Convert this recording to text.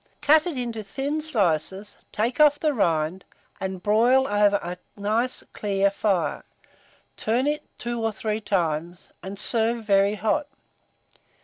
Cut it into thin slices, take off the rind, and broil over a nice clear fire; turn it 2 or 3 times, and serve very hot.